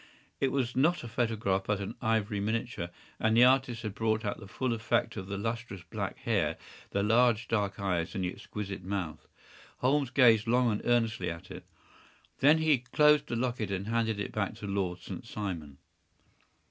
It was not a photograph, but an ivory miniature, and the artist had brought out the full effect of the lustrous black hair, the large dark eyes, and the exquisite mouth. Holmes gazed long and earnestly at it. Then he closed the locket and handed it back to Lord St. Simon.